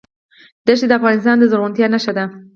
دښتې د افغانستان د زرغونتیا نښه ده.